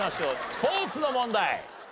スポーツの問題。